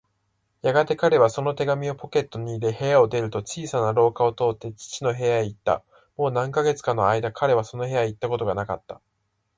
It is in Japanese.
やがて彼はその手紙をポケットに入れ、部屋を出ると、小さな廊下を通って父の部屋へいった。もう何カ月かのあいだ、彼はその部屋へいったことがなかった。